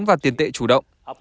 và tiền tệ chủ động